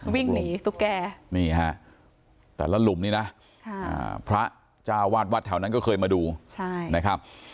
วิ่งหนีตุ๊กแก่นี่ฮะแต่ละหลุมนี้นะพระเจ้าวาดวัดแถวนั้นก็เคยมาดูใช่นะครับ